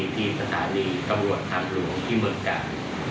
ที่สถานีตำรวจทางหลวงที่เมืองกาล